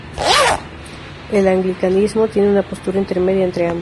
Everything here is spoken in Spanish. El anglicanismo tiene una postura intermedia entre ambas.